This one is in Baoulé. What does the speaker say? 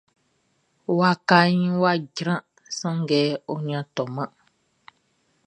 Wakaʼn wʼa jran, sanngɛ ɔ nin a tɔman.